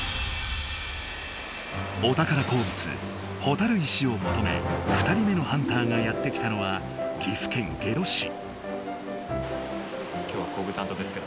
お宝鉱物ほたる石をもとめ２人目のハンターがやって来たのは岐阜県下呂市。